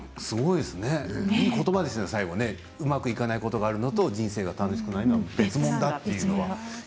すごいですねいいことばですね、最後うまくいかないことがあるのと人生が楽しくないは別物だっていうの。